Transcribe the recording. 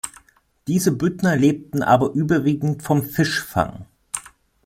Diese Büdner lebten aber überwiegend vom Fischfang.